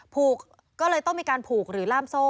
ผูกก็เลยต้องมีการผูกหรือล่ามโซ่